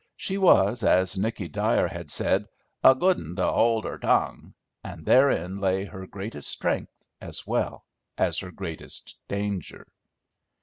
She was, as Nicky Dyer had said, "a good un to 'old 'er tongue," and therein lay her greatest strength as well as her greatest danger.